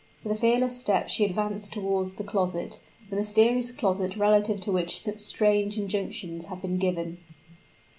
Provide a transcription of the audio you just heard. With a fearless step she advanced toward the closet the mysterious closet relative to which such strange injunctions had been given.